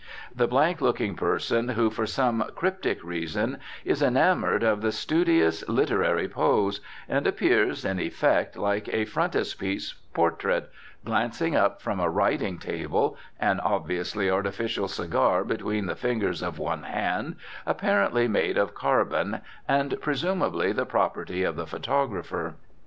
The blank looking person who for some cryptic reason is enamoured of the studious, literary pose, and appears, in effect like a frontispiece portrait, glancing up from a writing table (an obviously artificial cigar between the fingers of one hand, apparently made of carbon, and, presumably, the property of the photographer).